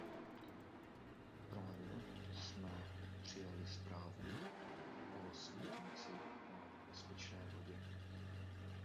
Právě jsme přijali zprávu o směrnici o bezpečné vodě.